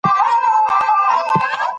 د سپورټ په برخه کي ځوانان فرصتونه لري.